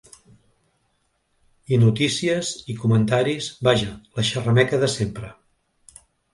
I notícies, i comentaris… Vaja: la xerrameca de sempre.